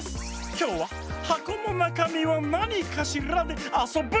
きょうは「はこのなかみはなにかしら？」であそぶの！